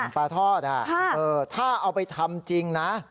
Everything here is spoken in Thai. หนังปลาทอดค่ะถ้าเอาไปทำจริงนะ